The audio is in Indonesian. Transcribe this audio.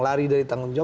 lari dari tanggung jawab